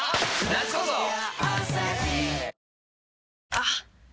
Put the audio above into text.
あっ！